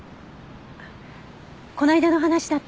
この間の話だったらまだ。